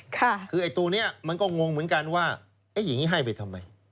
คือไอ้ตัวนี้มันก็งงเหมือนกันว่าอย่างนี้ให้ไปทำไม